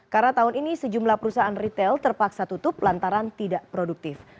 karena tahun ini sejumlah perusahaan retail terpaksa tutup lantaran tidak produktif